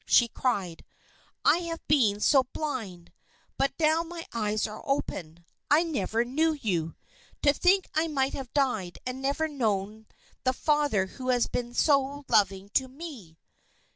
she cried. "I have been so blind! But now my eyes are open. I never knew you. To think, I might have died and never truly known the father who has been so loving to me!"